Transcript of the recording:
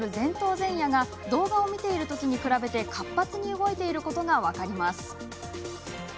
前野が動画を見ているときに比べて活発に動いていることが分かります。